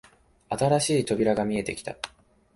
新しい扉が見えてきた